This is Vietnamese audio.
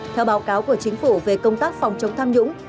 theo báo cáo của chính phủ về công tác phòng chống tham nhũng